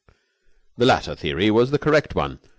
The latter theory was the correct one.